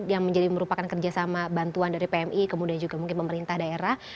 yang menjadi merupakan kerjasama bantuan dari pmi kemudian juga mungkin pemerintah daerah